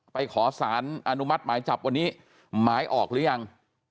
ขอสารอนุมัติหมายจับวันนี้หมายออกหรือยัง